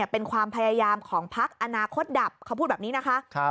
เป็นความพยายามของพักอนาคตดับเขาพูดแบบนี้นะคะ